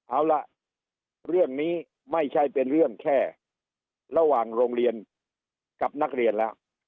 เอาล่ะเรื่องนี้ไม่ใช่เป็นเรื่องแค่ระหว่างโรงเรียนกับนักเรียนแล้ว